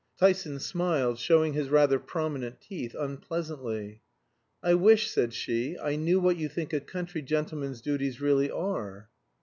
Tyson smiled, showing his rather prominent teeth unpleasantly. "I wish," said she, "I knew what you think a country gentleman's duties really are."